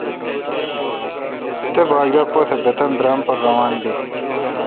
تے باگ دا بہ پتھ بہ تانی درام پر روان بیل